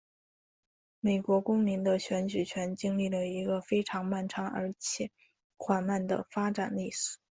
美国公民的选举权经历了一个非常漫长而且缓慢的发展历程。